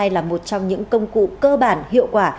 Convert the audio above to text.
là một trong những công cụ cơ bản hiệu quả